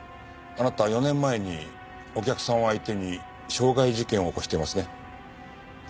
あなた４年前にお客さんを相手に傷害事件を起こしていますね。